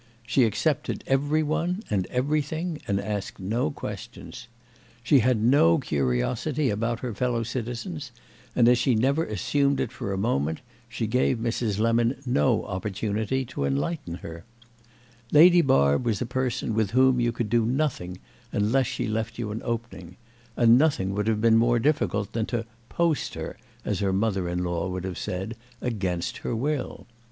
She accepted every one and everything and asked no questions. She had no curiosity about her fellow citizens, and as she never assumed it for a moment she gave Mrs. Lemon no opportunity to enlighten her. Lady Barb was a person with whom you could do nothing unless she left you an opening; and nothing would have been more difficult than to "post" her, as her mother in law would have said, against her will.